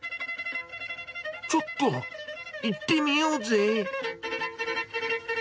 ちょっと行ってみようぜ。